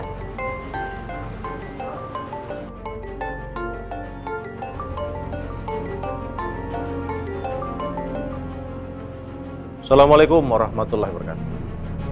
assalamualaikum warahmatullahi wabarakatuh